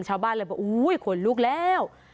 ชาวบ้านเลยบอกอุ้ยขนลุกแล้ว